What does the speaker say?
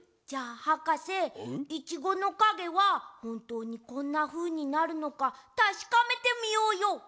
じゃあはかせいちごのかげはほんとうにこんなふうになるのかたしかめてみようよ！